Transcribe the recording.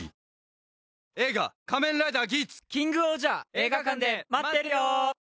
映画館で待ってるよ！